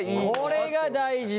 これが大事です。